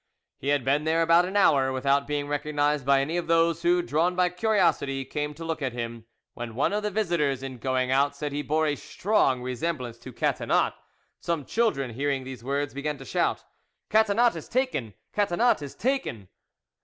He had been there about an hour without being recognised by any of those who, drawn by curiosity, came to look at him, when one of the visitors in going out said he bore a strong resemblance to Catinat; some children hearing these words, began to shout, "Catinat is taken! Catinat is taken!"